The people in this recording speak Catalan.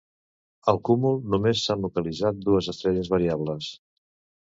Al cúmul només s'han localitzat dues estrelles variables.